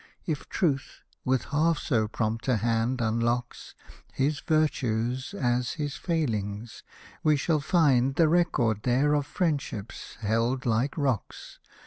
If Truth with half so prompt a hand unlocks His virtues as his failings, we shall find The record there of friendships, held like rocks.